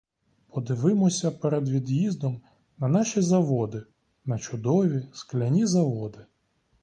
Подивимося перед від'їздом на наші заводи, на чудові скляні заводи.